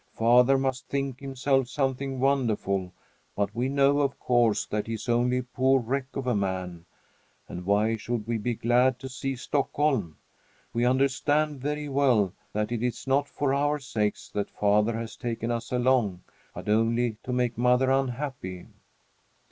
"Father must think himself something wonderful, but we know, of course, that he is only a poor wreck of a man. And why should we be glad to see Stockholm? We understand very well that it is not for our sakes that father has taken us along, but only to make mother unhappy!"